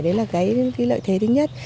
đấy là cái lợi thế thứ nhất